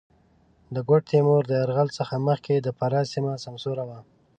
د ګوډ تېمور د یرغل څخه مخکې د فراه سېمه سمسوره وه.